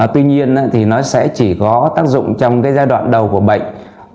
tuy nhiên thì nó sẽ chỉ có tác dụng trong cái giai đoạn đầu của bệnh